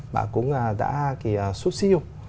và cũng đã sút siêu